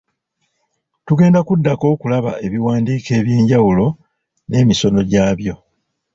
Tugenda kuddako okulaba ebiwandiiko eby'enjawulo n'emisono gya byo.